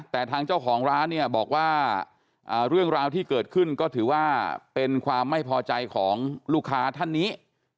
แต่ทางเจ้าของร้านเนี่ยบอกว่าเรื่องราวที่เกิดขึ้นก็ถือว่าเป็นความไม่พอใจของลูกค้าท่านนี้